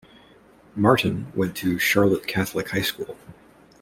Martin went to Charlotte Catholic High School.